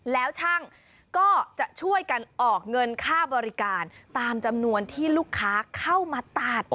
แล้วช่างก็จะช่วยกันออกเงินค่าบริการตามจำนวนที่ลูกค้าเข้ามาตัด